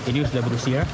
ini sudah berusia